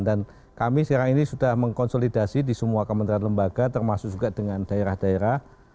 kami sekarang ini sudah mengkonsolidasi di semua kementerian lembaga termasuk juga dengan daerah daerah